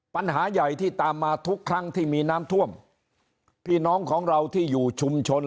ปัญหาใหญ่ที่ตามมาทุกครั้งที่มีน้ำท่วมพี่น้องของเราที่อยู่ชุมชน